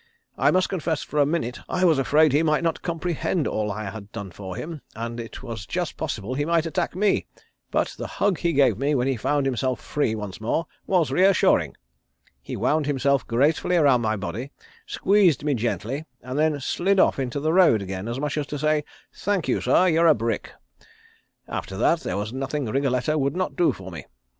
I must confess for a minute I was afraid he might not comprehend all I had done for him, and it was just possible he might attack me, but the hug he gave me when he found himself free once more was reassuring. He wound himself gracefully around my body, squeezed me gently and then slid off into the road again, as much as to say 'Thank you, sir. You're a brick.' After that there was nothing Wriggletto would not do for me.